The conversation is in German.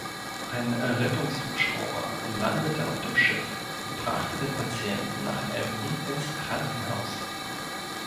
Ein Rettungshubschrauber landete auf dem Schiff und brachte den Patienten nach Emden ins Krankenhaus.